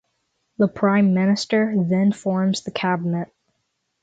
The Prime Minister then forms the cabinet.